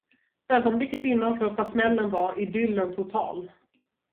Ögonblicket innan första smällen var idyllen total.